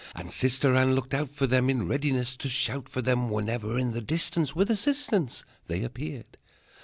And Sister Anne looked out for them, In readiness to shout for them Whenever in the distance With assistance They appeared.